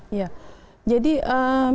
ya jadi memang politiknya indonesia